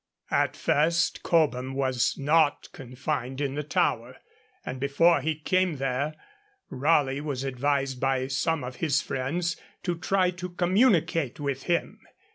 At first Cobham was not confined in the Tower, and before he came there Raleigh was advised by some of his friends to try to communicate with him.